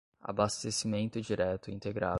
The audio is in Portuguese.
abastecimento direto integrado